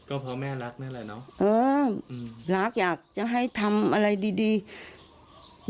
เอ้อหลากอยากจะเถ้งอย่างนั้นให้ทำอะไรคนนิดนึง